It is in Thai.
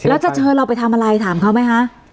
แล้วจะเชิญเราไปทำอะไรถามเขาไหมคะ